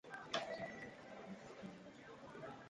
His father stimulated his love for jazz.